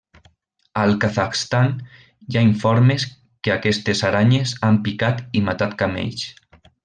Al Kazakhstan, hi ha informes que aquestes aranyes han picat i matat camells.